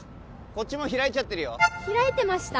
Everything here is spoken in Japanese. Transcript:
こっちも開いちゃってるよ開いてました？